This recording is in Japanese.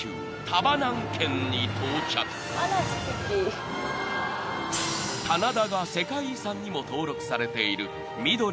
［棚田が世界遺産にも登録されている緑美しい町］